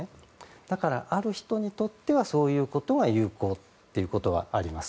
だから、ある人にとってはそういうことは有効ということはあります。